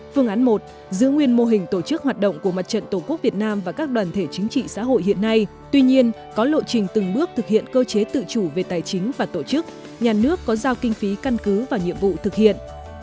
phương án một giữ nguyên mô hình tổ chức hoạt động của mặt trận tổ quốc việt nam và các đoàn thể chính trị xã hội hiện nay tuy nhiên có lộ trình từng bước thực hiện cơ chế tự chủ về tài chính và tổ chức nhà nước có giao kinh phí căn cứ và nhiệm vụ thực hiện